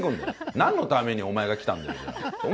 なんのためにお前が来たんだよ、じゃあ。